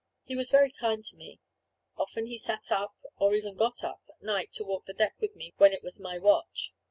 He was very kind to me. Often he sat up, or even got up, at night, to walk the deck with me, when it was my watch.